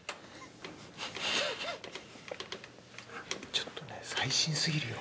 ちょっとね最新過ぎるよ。